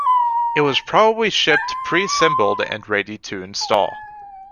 It was probably shipped pre-assembled and ready to install.